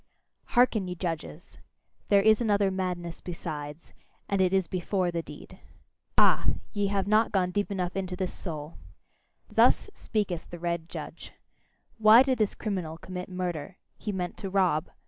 Hearken, ye judges! There is another madness besides, and it is BEFORE the deed. Ah! ye have not gone deep enough into this soul! Thus speaketh the red judge: "Why did this criminal commit murder? He meant to rob."